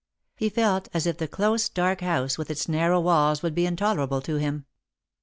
He felt as if the close dark house with its narrow walls would be intolerable to him.